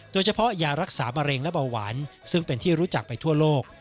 โดยเฉพาะยารักษามะเร็งและเบาหวานซึ่งเป็นที่รู้จักไปทั่วโลก